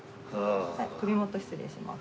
首元失礼します。